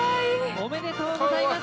・おめでとうございます！